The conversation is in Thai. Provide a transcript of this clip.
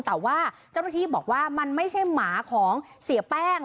แต่ว่าเจ้าหน้าที่บอกว่ามันไม่ใช่หมาของเสียแป้ง